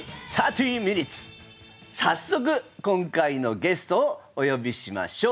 早速今回のゲストをお呼びしましょう。